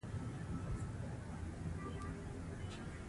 لوستې میندې د ماشومانو د روغتیا اړوند خبرې کوي.